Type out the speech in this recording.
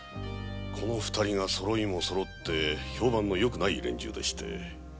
この二人がそろいもそろって評判のよくない連中でして。